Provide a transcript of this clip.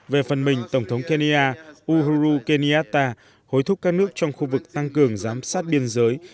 về phần mình tổng thống kenya uhuru kenyatta hối thúc các nước trong khu vực tăng cường giám sát biên giới